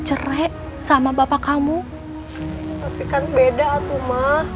memangnya kamu tuh ga liat di tv